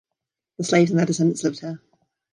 The slaves and their descendents lived here.